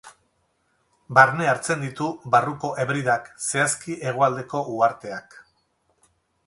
Barne hartzen ditu Barruko Hebridak, zehazki hegoaldeko uharteak.